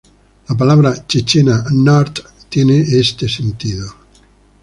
La palabra chechena "nart" tiene este sentido.